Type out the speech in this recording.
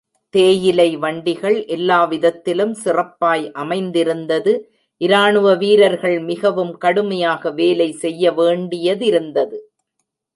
தேயிலை வண்டிகள் எல்லாவிதத்திலும் சிறப்பாய் அமைந்திருந்தது இராணுவ வீரர்கள் மிகவும் கடுமையாக வேலை செய்ய வேண்டியதிருந்தது.